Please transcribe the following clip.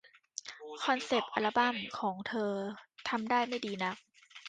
คอนเซ็ปต์อัลบั้มของเธอทำได้ไม่ดีนัก